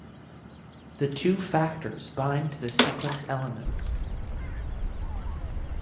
The two factors bind to the sequence elements.